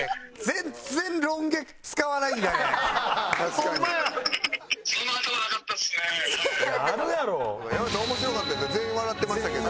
全員笑ってましたけど。